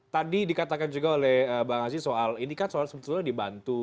tadi dikatakan juga oleh bang aziz soal ini kan soal sebetulnya dibantu